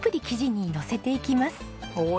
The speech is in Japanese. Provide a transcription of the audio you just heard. おお！